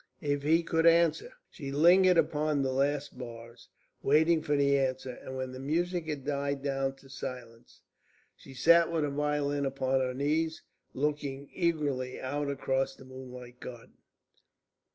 "If he could answer!" She lingered upon the last bars, waiting for the answer; and when the music had died down to silence, she sat with her violin upon her knees, looking eagerly out across the moonlit garden.